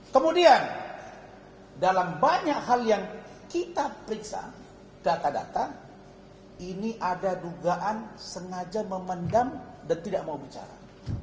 kemudian dalam banyak hal yang kita periksa data data ini ada dugaan sengaja memendam dan tidak mau bicara